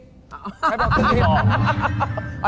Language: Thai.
ฮะ